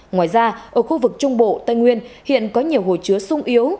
ngoài ra ở khu vực trung bộ tây nguyên hiện có nhiều hồ chứa sung yếu